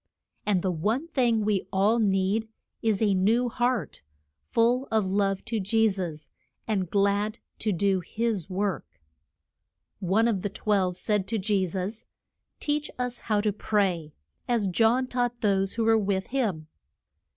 And the one thing we all need is a new heart, full of love to Je sus and glad to do his work. One of the twelve said to Je sus, Teach us how to pray, as John taught those who were with him.